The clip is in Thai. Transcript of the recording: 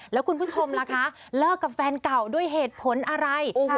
แล้วคุณผู้ชมล่ะคะเลิกกับแฟนเก่าด้วยเหตุผลอะไร